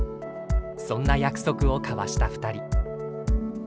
そんな約束を交わした２人。